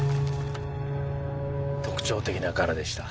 特徴的な柄でした。